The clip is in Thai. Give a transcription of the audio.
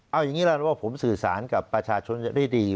เอาอย่างนี้ละว่าผมสื่อสารกับประชาชนได้ดี